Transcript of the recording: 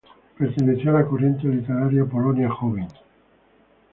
Perteneció a la corriente literaria Polonia joven.